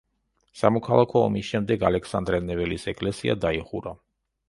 სამოქალაქო ომის შემდეგ ალექსანდრე ნეველის ეკლესია დაიხურა.